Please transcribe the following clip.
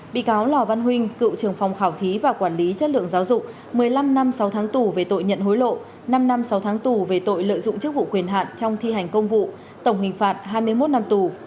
bị cáo lò văn huynh cựu trưởng phòng khảo thí và quản lý chất lượng giáo dục một mươi năm năm sáu tháng tù về tội nhận hối lộ năm năm sáu tháng tù về tội lợi dụng chức vụ quyền hạn trong thi hành công vụ tổng hình phạt hai mươi một năm tù